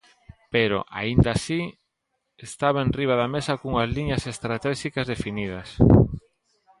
Pero, aínda así, estaba enriba da mesa cunhas liñas estratéxicas definidas.